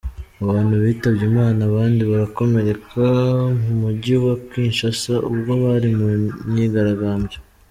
Abantu bitabye Imana abandi barakomereka mu mujyi wa Kinshasa, ubwo bari mu myigaragambyo.